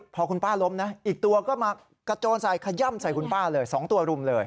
พอคุณป้าล้มนะอีกตัวก็มากระโจนใส่ขย่ำใส่คุณป้าเลย๒ตัวรุมเลย